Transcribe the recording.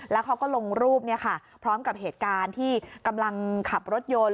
แล้วเขาก็ลงรูปพร้อมกับเหตุการณ์ที่กำลังขับรถยนต์